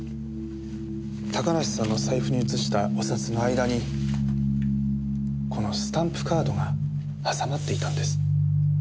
高梨さんの財布に移したお札の間にこのスタンプカードが挟まっていたんです。